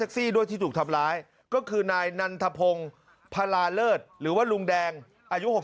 เซ็กซี่ด้วยที่ถูกทำร้ายก็คือนายนานธวงพราเลิศหรือว่าลุงแดงอายุ